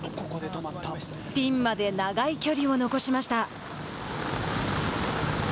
ピンまで長い距離を残しました。